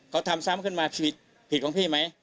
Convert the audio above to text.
เขาทำซ้ำทำมาผิดผิดของพี่ไหม